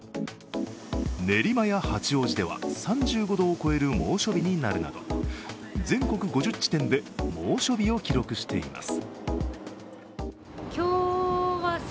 練馬や八王子では３５度を超える猛暑日になるなど全国５０地点で猛暑日を記録しています。